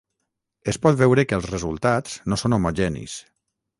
Es pot veure que els resultats no són homogenis.